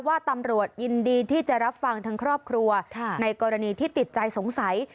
ว่าตำรวจยินดีที่จะรับฟังทั้งครอบครัวในกรณีที่ติดใจสงสัย